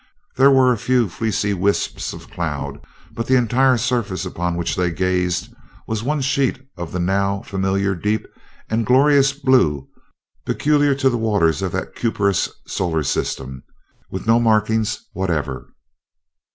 There were a few fleecy wisps of cloud, but the entire surface upon which they gazed was one sheet of the now familiar deep and glorious blue peculiar to the waters of that cuprous solar system, with no markings whatever.